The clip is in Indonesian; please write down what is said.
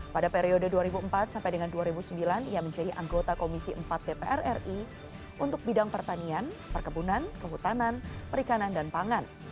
pada periode dua ribu empat sampai dengan dua ribu sembilan ia menjadi anggota komisi empat dpr ri untuk bidang pertanian perkebunan kehutanan perikanan dan pangan